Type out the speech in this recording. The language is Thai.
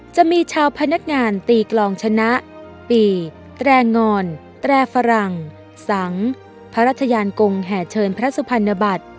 จะมีชาวพนักงานตีกลองชนะปีแตรงอนแตรฝรั่งสังพระราชยานกงแห่เชิญพระสุพรรณบัติ